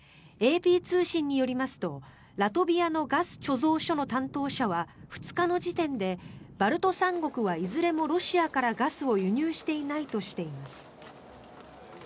ＡＰ通信によりますとラトビアのガス貯蔵所の担当者は２日の時点でバルト三国はいずれもロシアからガスを輸入していないとしています。